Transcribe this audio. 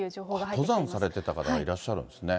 登山されてた方がいらっしゃるんですね。